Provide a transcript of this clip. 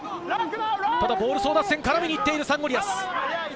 ボール争奪戦から見に行っているサンゴリアス。